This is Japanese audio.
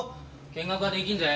見学はできんぜ。